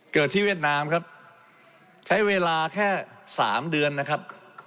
เกิดที่เวียดนามครับใช้เวลาแค่สามเดือนนะครับ